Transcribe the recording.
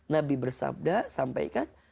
nabi bersabda sampaikan